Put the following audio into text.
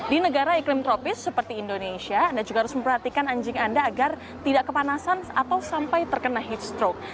di negara iklim tropis seperti indonesia anda juga harus memperhatikan anjing anda agar tidak kepanasan atau sampai terkena heat stroke